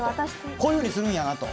こういうふうにするんだなと。